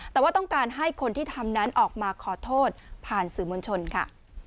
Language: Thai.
แต่ว่าต้องการให้คนที่ทำนั้นออกมาขอโทษผ่านสื่อมวลชนค่ะ